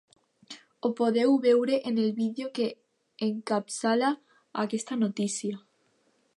Ho podeu veure en el vídeo que encapçala aquesta notícia.